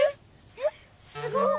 えっすごい！